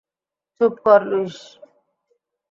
চুপ কর, লুইস!